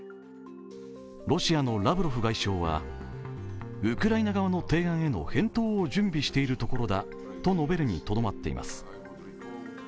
ロシアのラブロフ外相はウクライナ側の提案への返答を準備しているところだと述べるにとどまっています。